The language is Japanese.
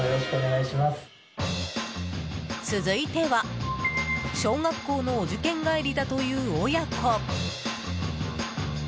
続いては小学校のお受験帰りだという親子。